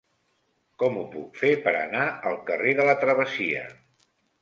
Com ho puc fer per anar al carrer de la Travessia?